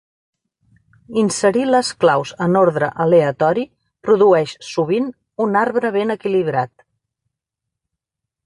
Inserir les claus en ordre aleatori produeix sovint un arbre ben equilibrat.